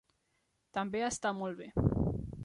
També està molt bé.